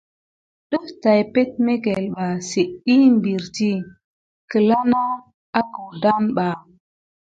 Ɗəf tay peɗmekel ɓa sit diy beriti kelena akoudane ba.